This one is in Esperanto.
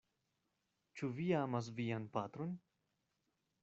Ĉu vi amas vian patron?